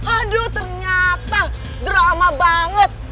aduh ternyata drama banget